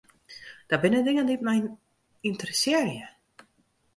Dat binne dingen dy't my ynteressearje.